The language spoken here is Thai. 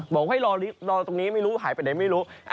บอกให้รอตรงนี้ไม่รู้หายไปไหนไม่รู้